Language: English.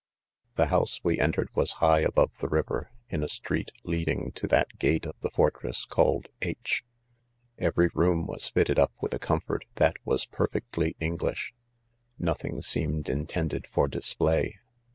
' s The^hoilse we entered was Mgli abovv, i^ THE CONFESSIONS. 85 ■river, in a street 'leading to that} gate of the fortress called H— . Every room was fitted up with a comfort that was perfectly English, Nothing seemed intended for display.